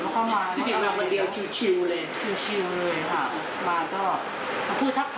คนเดียวคือชิวเลยคือชิวเลยครับมาก็พูดทักทายกันปกติ